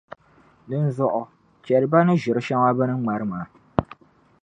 Dinzuɣu, chɛli ba ni ʒiri shɛŋa bɛ ni ŋmari maa.